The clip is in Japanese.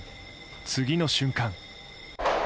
次の瞬間。